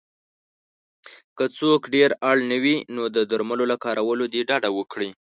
که څوک ډېر اړ نه وی نو د درملو له کارولو دې ډډه وکړی